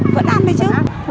vẫn ăn đấy chứ